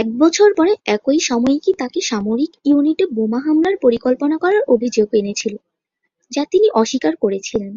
এক বছর পরে একই সাময়িকী তাকে সামরিক ইউনিটে বোমা হামলার পরিকল্পনা করার অভিযোগ এনেছিল, যা তিনি অস্বীকার করেছিলেন।